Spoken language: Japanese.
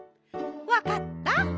わかった？